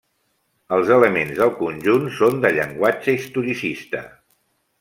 Els elements del conjunt son de llenguatge historicista.